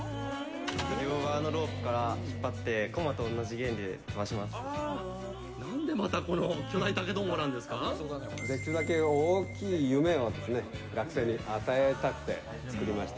両側のロープから引っ張って、なんでまた、この巨大竹とんできるだけ大きい夢をですね、学生に与えたくて、作りました。